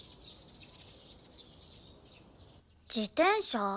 自転車？